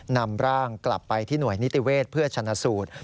นำร่างกลับไปที่หน่วยนิติเวศเพื่อชนะสูตร